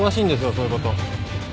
そういうこと。